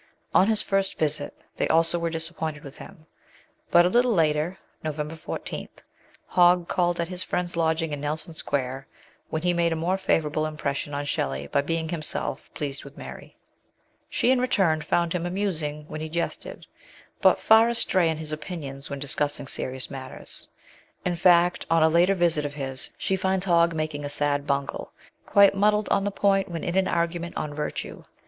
On his first visit they also were disappointed with him ; but a little later (November 14) Hogg called at his friend's lodging in Nelson Square, when he made a more favourable impression on Shelley by being himself pleased with Mary. She in return found him amusing when he jested, but far astray in his opinions when discussing serious matters in fact, on a later visit of his, she finds Hogg makes a sad bungle, quite muddied on the point wheu in an argu ment on virtue.